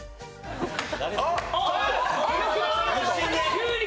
急に！